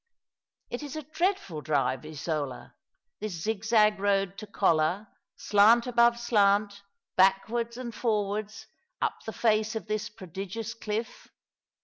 It is a dreadful drive, Isola, this zigzag road to Colla — slant above slant, backwards and forwards, up the face of this prodigious cliff.